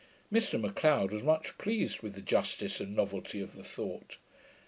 Mr M'Leod was much pleased with the justice and novelty of the thought.